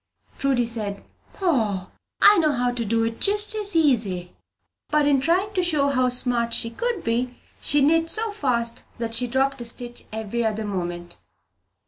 Prudy said, "Poh, I know how to do it just as easy!" But in trying to show them how smart she could be, she knit so fast that she dropped a stitch every other moment.